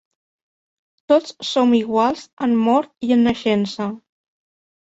Tots som iguals en mort i en naixença.